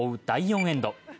第４エンド。